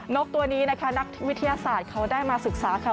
นกตัวนี้นะคะนักวิทยาศาสตร์เขาได้มาศึกษาค่ะ